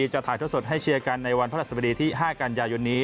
จะถ่ายท่อสดให้เชียร์กันในวันพระราชสบดีที่๕กันยายนนี้